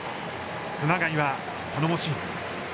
熊谷は頼もしい。